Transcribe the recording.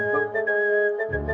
lo masih cakep bu